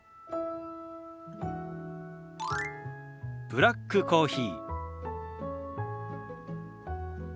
「ブラックコーヒー」。